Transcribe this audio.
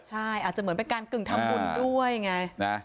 ใช่อาจจะเหมือนเป็นการกึ่งทำบุญด้วยไง